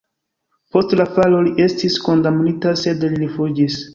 Post la falo li estis kondamnita, sed li rifuĝis.